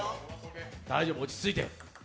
大丈夫、落ち着いて。